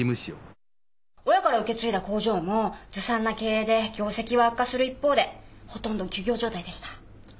親から受け継いだ工場もずさんな経営で業績は悪化する一方でほとんど休業状態でした。